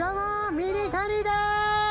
ミニタニでーす！